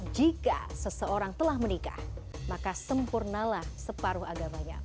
jika seseorang telah menikah maka sempurnalah separuh agamanya